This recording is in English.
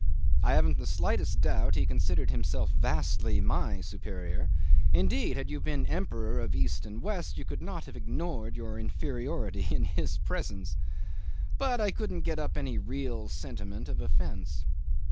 I haven't the slightest doubt he considered himself vastly my superior indeed, had you been Emperor of East and West, you could not have ignored your inferiority in his presence but I couldn't get up any real sentiment of offence.